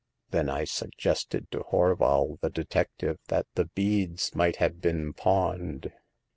Then I suggested to Horval the detective, that the beads might have been pawned.